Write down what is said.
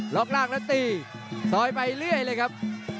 ล่างแล้วตีซอยไปเรื่อยเลยครับ